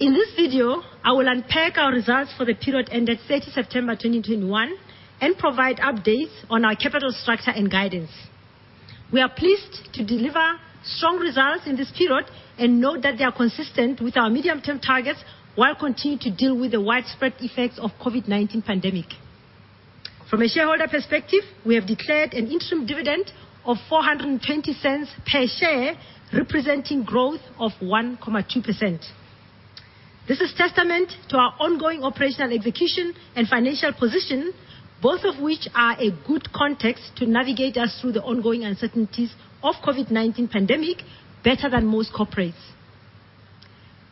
In this video, I will unpack our results for the period ended 30th September 2021 and provide updates on our capital structure and guidance. We are pleased to deliver strong results in this period and note that they are consistent with our medium-term targets, while continuing to deal with the widespread effects of COVID-19 pandemic. From a shareholder perspective, we have declared an interim dividend of 4.20 per share, representing growth of 1.2%. This is testament to our ongoing operational execution and financial position, both of which are a good context to navigate us through the ongoing uncertainties of COVID-19 pandemic better than most corporates.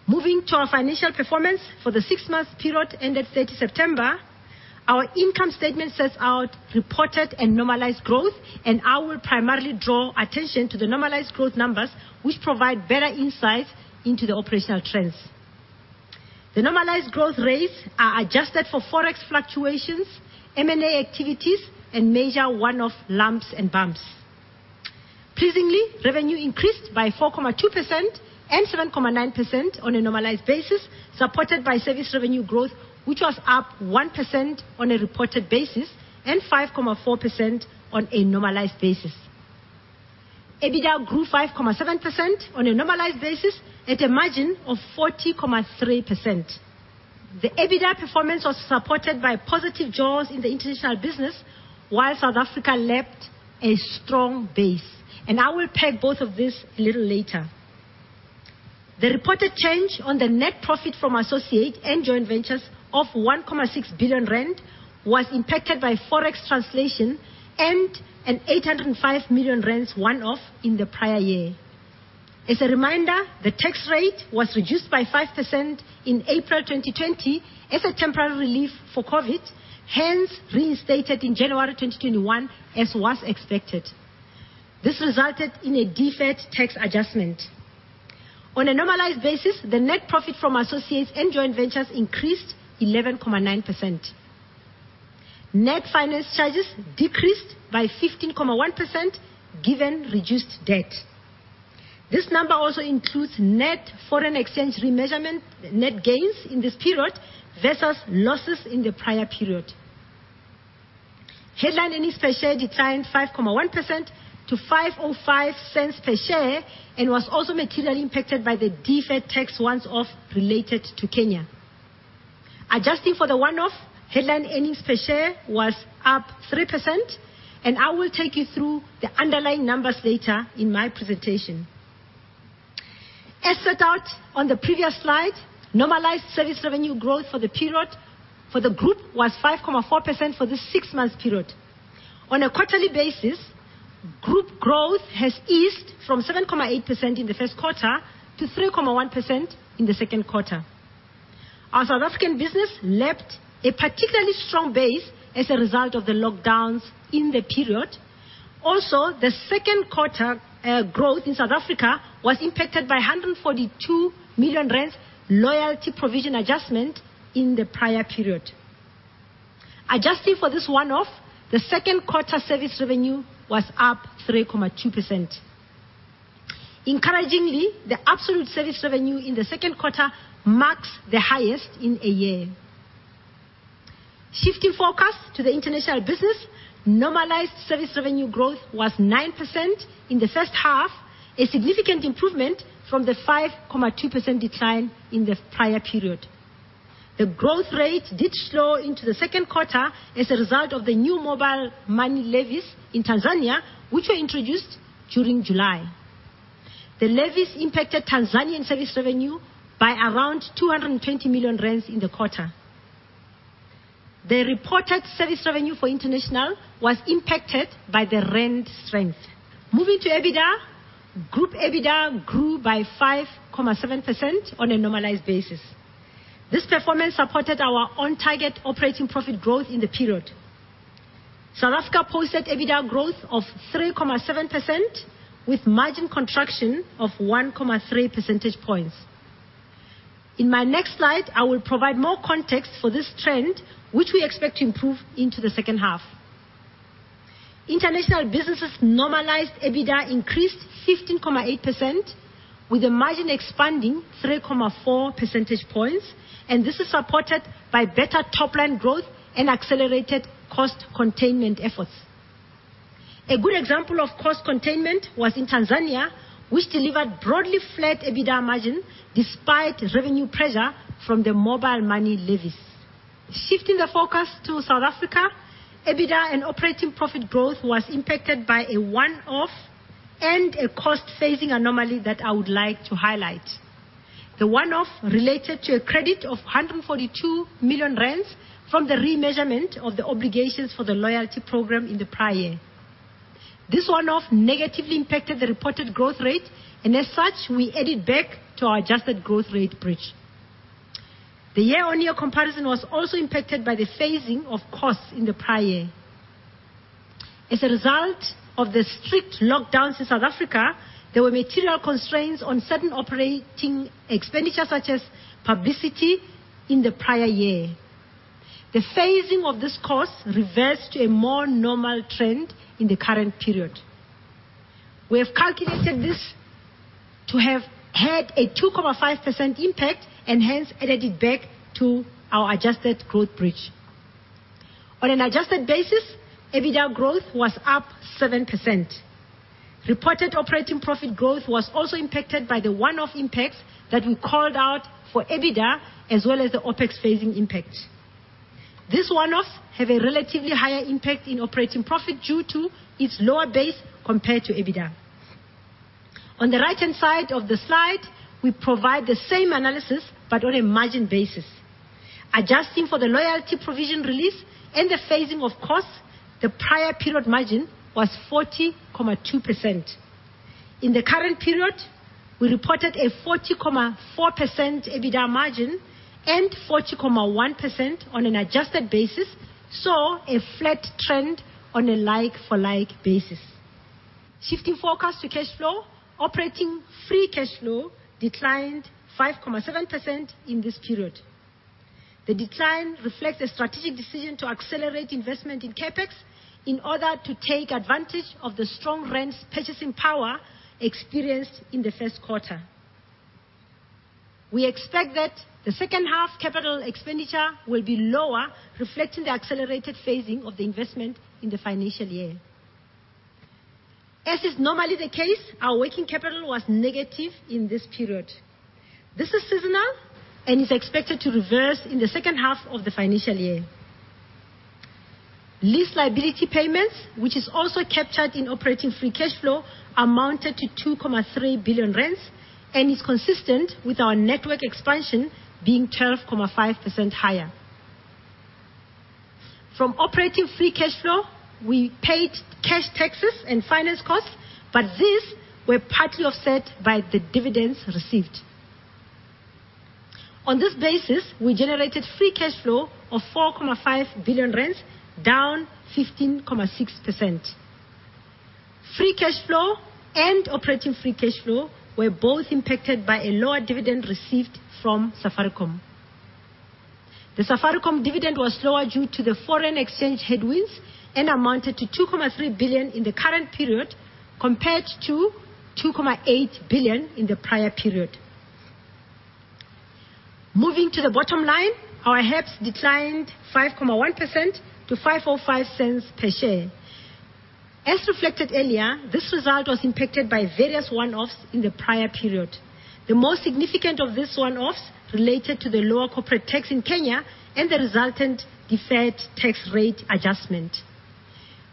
Moving to our financial performance for the six-month period ended 30th September, our income statement sets out reported and normalized growth, and I will primarily draw attention to the normalized growth numbers, which provide better insight into the operational trends. The normalized growth rates are adjusted for Forex fluctuations, M&A activities, and measure one-off lumps and bumps. Pleasingly, revenue increased by 4.2% and 7.9% on a normalized basis, supported by service revenue growth, which was up 1% on a reported basis and 5.4% on a normalized basis. EBITDA grew 5.7% on a normalized basis at a margin of 43%. The EBITDA performance was supported by positive jaws in the international business, while South Africa lapped a strong base. I will unpack both of these a little later. The reported change on the net profit from associates and joint ventures of 1.6 billion rand was impacted by Forex translation and a 805 million rand one-off in the prior year. As a reminder, the tax rate was reduced by 5% in April 2020 as a temporary relief for COVID, hence reinstated in January 2021 as was expected. This resulted in a deferred tax adjustment. On a normalized basis, the net profit from associates and joint ventures increased 11.9%. Net finance charges decreased by 15.1% given reduced debt. This number also includes net foreign exchange remeasurement net gains in this period vs losses in the prior period. Headline earnings per share declined 5.1% to 505 cents per share and was also materially impacted by the deferred tax one-off related to Kenya. Adjusting for the one-off, headline earnings per share was up 3%, and I will take you through the underlying numbers later in my presentation. As set out on the previous slide, normalized service revenue growth for the period for the group was 5.4% for the six months period. On a quarterly basis, group growth has eased from 7.8% in the first quarter to 3.1% in the second quarter. Our South African business lapped a particularly strong base as a result of the lockdowns in the period. Also, the second quarter growth in South Africa was impacted by 142 million rand loyalty provision adjustment in the prior period. Adjusting for this one-off, the second quarter service revenue was up 3.2%. Encouragingly, the absolute service revenue in the second quarter marks the highest in a year. Shifting focus to the international business, normalized service revenue growth was 9% in the first half, a significant improvement from the 5.2% decline in the prior period. The growth rate did slow into the second quarter as a result of the new mobile money levies in Tanzania, which were introduced during July. The levies impacted Tanzanian service revenue by around 220 million rand in the quarter. The reported service revenue for international was impacted by the rand strength. Moving to EBITDA. Group EBITDA grew by 5.7% on a normalized basis. This performance supported our on-target operating profit growth in the period. South Africa posted EBITDA growth of 3.7% with margin contraction of 1.3 percentage points. In my next slide, I will provide more context for this trend, which we expect to improve into the second half. International businesses normalized EBITDA increased 15.8% with the margin expanding 3.4 percentage points, and this is supported by better top-line growth and accelerated cost containment efforts. A good example of cost containment was in Tanzania, which delivered broadly flat EBITDA margin despite revenue pressure from the mobile money levies. Shifting the focus to South Africa, EBITDA and operating profit growth was impacted by a one-off and a cost-phasing anomaly that I would like to highlight. The one-off related to a credit of 142 million rand from the remeasurement of the obligations for the loyalty program in the prior year. This one-off negatively impacted the reported growth rate, and as such, we added back to our adjusted growth rate bridge. The year-on-year comparison was also impacted by the phasing of costs in the prior year. As a result of the strict lockdowns in South Africa, there were material constraints on certain operating expenditures, such as publicity in the prior year. The phasing of this cost reversed to a more normal trend in the current period. We have calculated this to have had a 2.5% impact and hence added it back to our adjusted growth bridge. On an adjusted basis, EBITDA growth was up 7%. Reported operating profit growth was also impacted by the one-off impacts that we called out for EBITDA as well as the OpEx phasing impact. This one-off have a relatively higher impact in operating profit due to its lower base compared to EBITDA. On the right-hand side of the slide, we provide the same analysis but on a margin basis. Adjusting for the loyalty provision release and the phasing of costs, the prior period margin was 42%. In the current period, we reported a 44% EBITDA margin and 41% on an adjusted basis, so a flat trend on a like-for-like basis. Shifting focus to cash flow, operating free cash flow declined 5.7% in this period. The decline reflects a strategic decision to accelerate investment in CapEx in order to take advantage of the strong rand's purchasing power experienced in the first quarter. We expect that the second half capital expenditure will be lower, reflecting the accelerated phasing of the investment in the financial year. As is normally the case, our working capital was negative in this period. This is seasonal and is expected to reverse in the second half of the financial year. Lease liability payments, which is also captured in operating free cash flow, amounted to 2.3 billion rand and is consistent with our network expansion being 12.5% higher. From operating free cash flow, we paid cash taxes and finance costs, but these were partly offset by the dividends received. On this basis, we generated free cash flow of 4.5 billion rand, down 15.6%. Free cash flow and operating free cash flow were both impacted by a lower dividend received from Safaricom. The Safaricom dividend was lower due to the foreign exchange headwinds and amounted to 2.3 billion in the current period compared to 2.8 billion in the prior period. Moving to the bottom line, our HEPS declined 5.1% to 505 cents per share. As reflected earlier, this result was impacted by various one-offs in the prior period. The most significant of these one-offs related to the lower corporate tax in Kenya and the resultant deferred tax rate adjustment.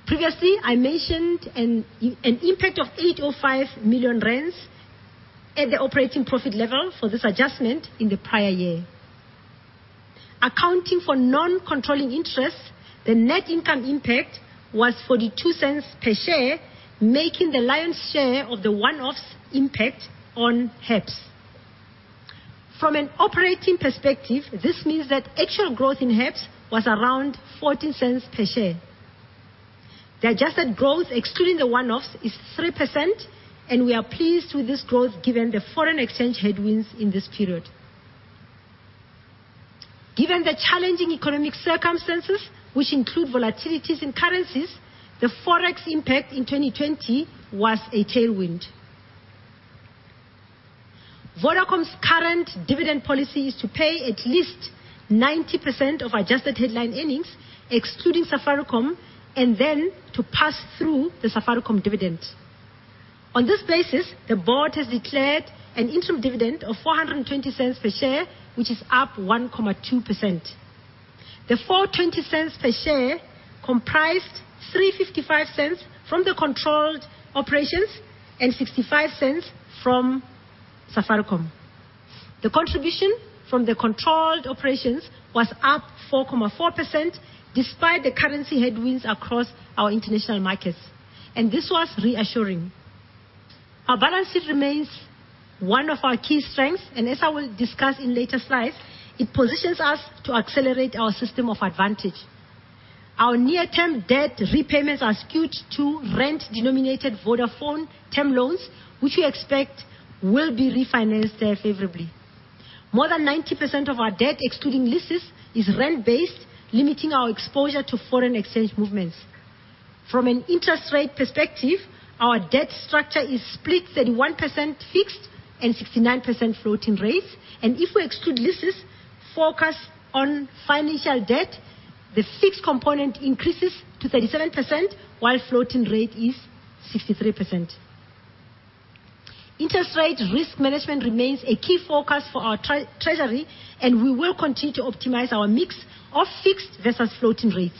Previously, I mentioned an impact of 805 million rand at the operating profit level for this adjustment in the prior year. Accounting for non-controlling interests, the net income impact was 0.42 per share, making the lion's share of the one-offs impact on HEPS. From an operating perspective, this means that actual growth in HEPS was around 0.14 per share. The adjusted growth excluding the one-offs is 3%, and we are pleased with this growth given the foreign exchange headwinds in this period. Given the challenging economic circumstances, which include volatilities in currencies, the Forex impact in 2020 was a tailwind. Vodafone's current dividend policy is to pay at least 90% of adjusted headline earnings excluding Safaricom and then to pass through the Safaricom dividend. On this basis, the board has declared an interim dividend of 420 cents per share, which is up 1.2%. The 420 cents per share comprised 355 cents from the controlled operations and 65 cents from Safaricom. The contribution from the controlled operations was up 4.4% despite the currency headwinds across our international markets, and this was reassuring. Our balance sheet remains one of our key strengths, and as I will discuss in later slides, it positions us to accelerate our System of Advantage. Our near-term debt repayments are skewed to rand-denominated Vodafone term loans, which we expect will be refinanced favorably. More than 90% of our debt, excluding leases, is rand-based, limiting our exposure to foreign exchange movements. From an interest rate perspective, our debt structure is split 31% fixed and 69% floating rates. If we exclude leases, focus on financial debt, the fixed component increases to 37% while floating rate is 63%. Interest rate risk management remains a key focus for our treasury, and we will continue to optimize our mix of fixed vs floating rates.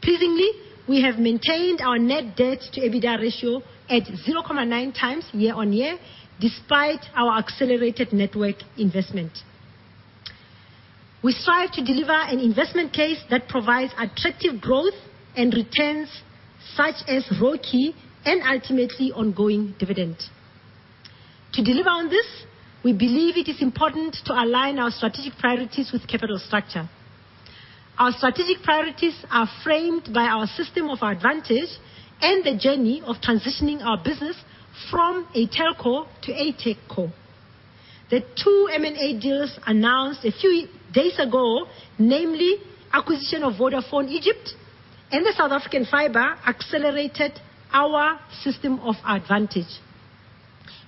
Pleasingly, we have maintained our net debt to EBITDA ratio at 0.9x year-on-year despite our accelerated network investment. We strive to deliver an investment case that provides attractive growth and returns such as ROCE and ultimately ongoing dividend. To deliver on this, we believe it is important to align our strategic priorities with capital structure. Our strategic priorities are framed by our System of Advantage and the journey of transitioning our business from a telco to a techco. The two M&A deals announced a few days ago, namely acquisition of Vodafone Egypt and the South African fiber, accelerated our System of Advantage.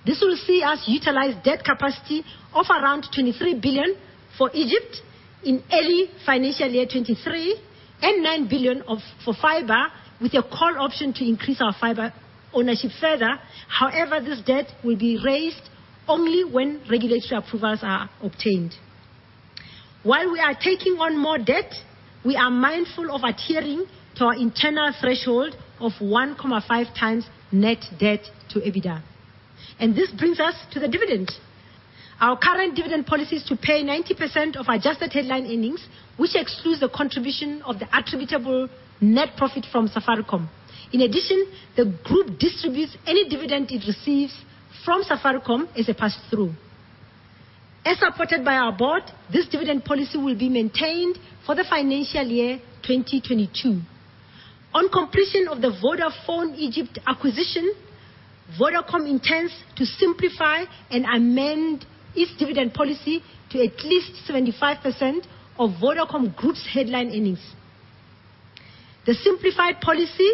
This will see us utilize debt capacity of around 23 billion for Egypt in early FY 2023 and 9 billion for fiber with a call option to increase our fiber ownership further. However, this debt will be raised only when regulatory approvals are obtained. While we are taking on more debt, we are mindful of adhering to our internal threshold of 1.5x net debt to EBITDA. This brings us to the dividend. Our current dividend policy is to pay 90% of adjusted headline earnings, which excludes the contribution of the attributable net profit from Safaricom. In addition, the group distributes any dividend it receives from Safaricom as a pass-through. As supported by our board, this dividend policy will be maintained for the financial year 2022. On completion of the Vodafone Egypt acquisition, Vodacom intends to simplify and amend its dividend policy to at least 75% of Vodacom Group's headline earnings. The simplified policy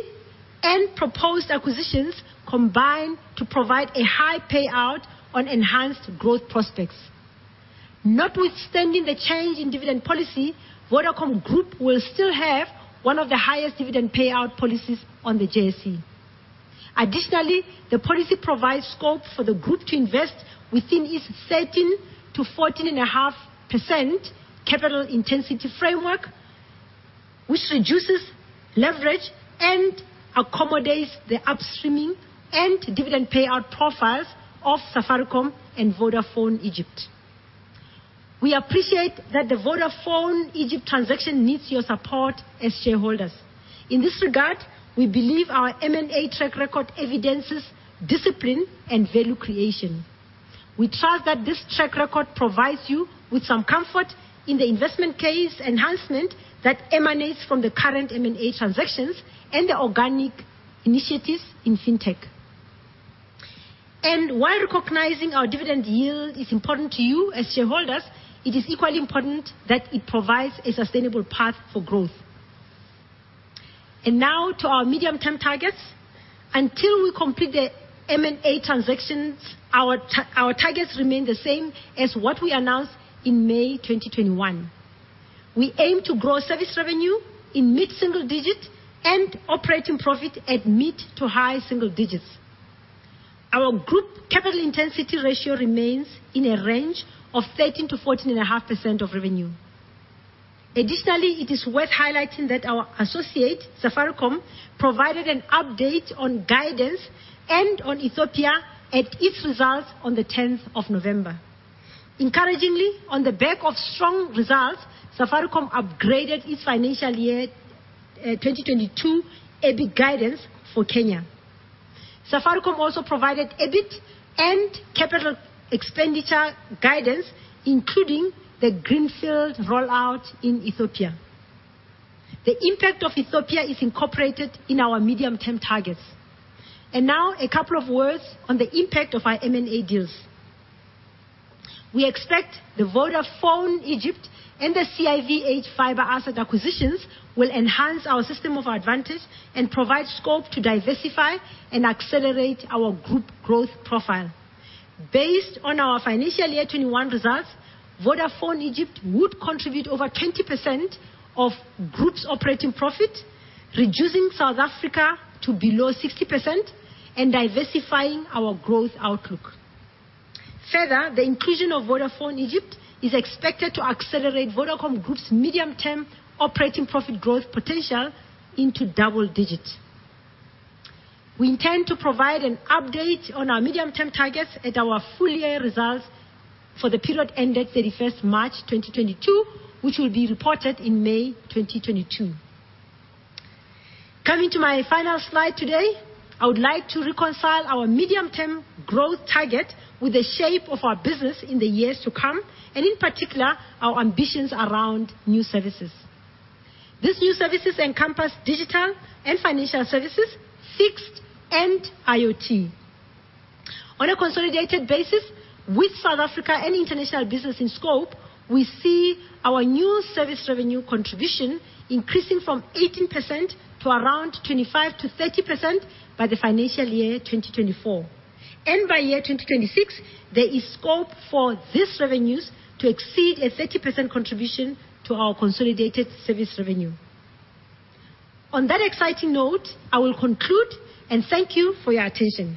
and proposed acquisitions combine to provide a high payout on enhanced growth prospects. Notwithstanding the change in dividend policy, Vodacom Group will still have one of the highest dividend payout policies on the JSE. Additionally, the policy provides scope for the group to invest within its 13%-14.5% capital intensity framework, which reduces leverage and accommodates the upstreaming and dividend payout profiles of Safaricom and Vodafone Egypt. We appreciate that the Vodafone Egypt transaction needs your support as shareholders. In this regard, we believe our M&A track record evidences discipline and value creation. We trust that this track record provides you with some comfort in the investment case enhancement that emanates from the current M&A transactions and the organic initiatives in Fintech. While recognizing our dividend yield is important to you as shareholders, it is equally important that it provides a sustainable path for growth. Now to our medium-term targets. Until we complete the M&A transactions, our targets remain the same as what we announced in May 2021. We aim to grow service revenue in mid-single digit and operating profit at mid to high single digits. Our group capital intensity ratio remains in a range of 13%-14.5% of revenue. Additionally, it is worth highlighting that our associate, Safaricom, provided an update on guidance and on Ethiopia at its results on the tenth of November. Encouragingly, on the back of strong results, Safaricom upgraded its financial year 2022 EBIT guidance for Kenya. Safaricom also provided EBIT and capital expenditure guidance, including the greenfield rollout in Ethiopia. The impact of Ethiopia is incorporated in our medium-term targets. Now a couple of words on the impact of our M&A deals. We expect the Vodafone Egypt and the CIVH fiber asset acquisitions will enhance our System of Advantage and provide scope to diversify and accelerate our group growth profile. Based on our financial year 2021 results, Vodafone Egypt would contribute over 20% of group's operating profit, reducing South Africa to below 60% and diversifying our growth outlook. Further, the inclusion of Vodafone Egypt is expected to accelerate Vodacom Group's medium-term operating profit growth potential into double digits. We intend to provide an update on our medium-term targets at our full year results for the period ended 31st March 2022, which will be reported in May 2022. Coming to my final slide today, I would like to reconcile our medium-term growth target with the shape of our business in the years to come, and in particular, our ambitions around new services. These new services encompass digital and financial services, fixed and IoT. On a consolidated basis with South Africa and international business in scope, we see our new service revenue contribution increasing from 18% to around 25%-30% by the financial year 2024. By year 2026, there is scope for these revenues to exceed a 30% contribution to our consolidated service revenue. On that exciting note, I will conclude and thank you for your attention.